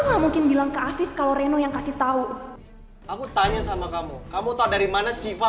enggak mungkin bilang ke afif kalau reno yang kasih tahu aku tanya sama kamu kamu tahu dari mana siva